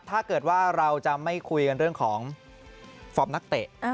ถ้าเกิดว่าเราจะไม่คุยกันเรื่องของฟอร์มนักเตะ